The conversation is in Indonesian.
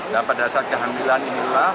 nah pada saat kehamilan inilah